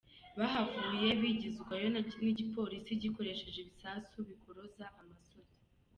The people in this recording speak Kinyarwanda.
Bahavuye bigizwa yo n'igipolisi gikoresheje ibisasu bikoroza amasozi.